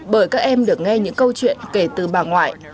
bởi các em được nghe những câu chuyện kể từ bà ngoại